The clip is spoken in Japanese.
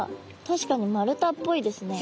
確かに丸太っぽいですね。